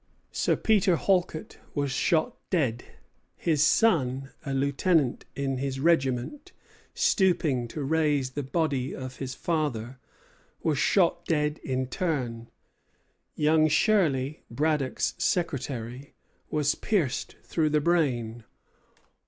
Sir Peter Halket was shot dead. His son, a lieutenant in his regiment, stooping to raise the body of his father, was shot dead in turn. Young Shirley, Braddock's secretary, was pierced through the brain.